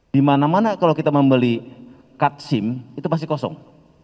di mana mana kalau kita membeli katsim itu pasti kosong